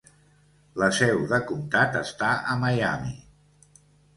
La seu de comtat està a Miami.